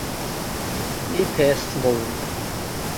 The day passed slowly.